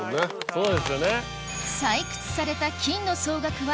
そうですよね。